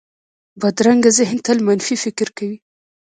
بدرنګه ذهن تل منفي فکر کوي